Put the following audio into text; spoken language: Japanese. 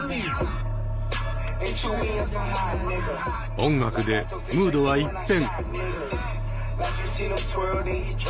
音楽でムードは一変。